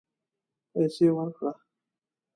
پیسې ورکړه